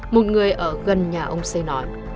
một người ở gần nhà ông xê nói